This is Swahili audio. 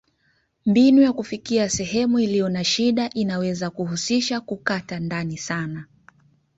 Mbinu ya kufikia sehemu iliyo na shida inaweza kuhusisha kukata ndani sana.